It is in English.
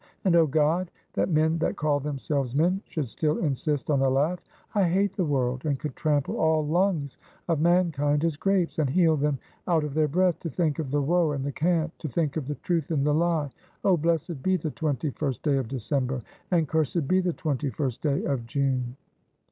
And oh God, that men that call themselves men should still insist on a laugh! I hate the world, and could trample all lungs of mankind as grapes, and heel them out of their breath, to think of the woe and the cant, to think of the Truth and the Lie! Oh! blessed be the twenty first day of December, and cursed be the twenty first day of June!"